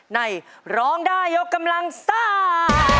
ในร้องได้ยกกำลังซ่า